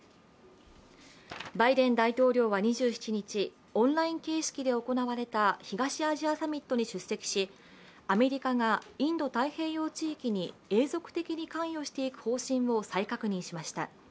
バイデン大統領は２７日、オンライン形式で行われた東アジアサミットに出席し、アメリカがインド太平洋地域に永続的に関与していく方針を再確認しました。